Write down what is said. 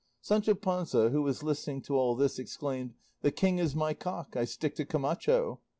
Sancho Panza, who was listening to all this, exclaimed, "The king is my cock; I stick to Camacho."